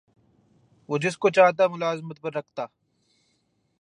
وہ جس کو چاہتا ملازمت پر رکھتا